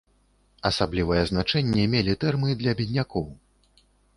Асаблівае значэнне мелі тэрмы для беднякоў.